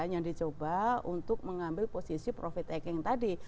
yang dicoba untuk mengambil posisi profit taking tadi